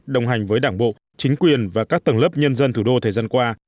đồng hành với đảng bộ chính quyền và các tầng lớp nhân dân thủ đô thời gian qua